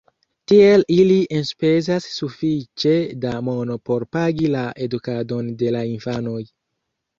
Tiel ili enspezas sufiĉe da mono por pagi la edukadon de la infanoj.